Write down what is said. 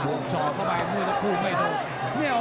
โหสอบเข้าไปมือตะคูมให้โต